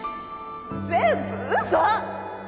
全部嘘！